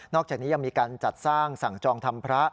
อกจากนี้ยังมีการจัดสร้างสั่งจองทำพระ